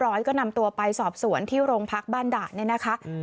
ร้อยก็นำตัวไปสอบสวนที่โรงพักบ้านด่านเนี่ยนะคะอืม